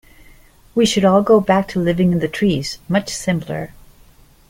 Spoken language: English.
We should all go back to living in the trees, much simpler.